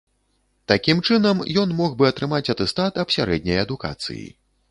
Такім чынам ён мог бы атрымаць атэстат аб сярэдняй адукацыі.